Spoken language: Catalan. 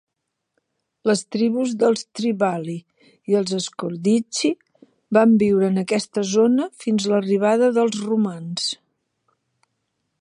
Les tribus dels Triballi i els Scordisci van viure en aquesta zona fins l'arribada dels romans.